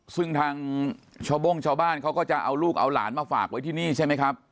ซึ่งทางชาวโบ้งชาวบ้านเขาก็จะเอาลูกเอาหลานมาฝากไว้ที่นี่ใช่ไหมครับ